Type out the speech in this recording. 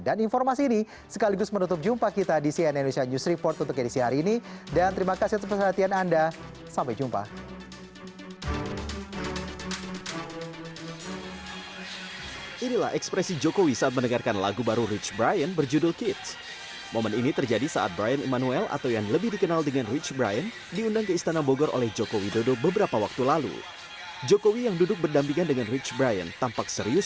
dan informasi ini sekaligus menutup jumpa kita di cnn indonesia news report untuk edisi hari ini